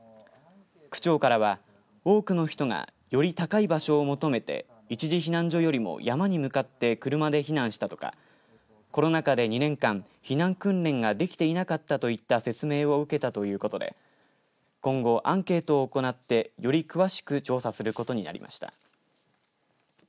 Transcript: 区長からは多くの人がより高い場所を求めて一時避難所よりも、山に向かって車で避難したとかコロナ禍で２年間避難訓練ができていなかったといった説明を受けたということで今後、アンケートを行ってより詳しく調査することになりました。